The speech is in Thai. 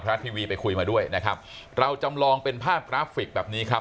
รัฐทีวีไปคุยมาด้วยนะครับเราจำลองเป็นภาพกราฟิกแบบนี้ครับ